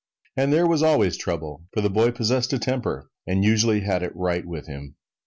And there was always trouble; for the boy possessed a temper, and usually had it right with him.